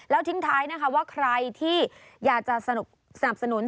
แล้วทิ้งท้ายนะคะว่าใครที่อยากจะสนับสนุน